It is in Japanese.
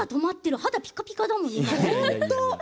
肌が、ピカピカだもん。